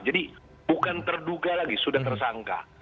jadi bukan terduga lagi sudah tersangka